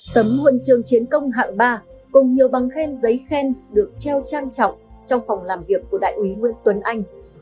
tấm huần trường chiến công hạng ba cùng nhiều bằng khen giấy khen được treo trang trọng trong phòng làm việc của đại úy nguyễn tuấn anh